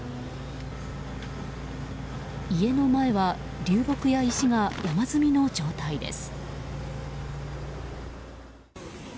家の前は流木や石が山積みの状態です。